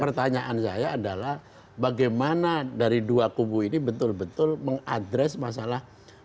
pertanyaan saya adalah bagaimana dari dua kubu ini betul betul mengadres masalah